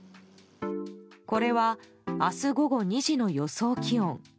これは明日午後２時の予想気温。